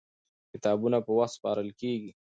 کتابونه په وخت سپارل کېږي.